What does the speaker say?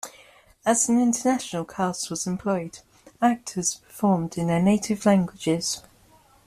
As an international cast was employed, actors performed in their native languages.